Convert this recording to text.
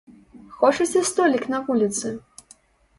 Хочаце столік на вуліцы?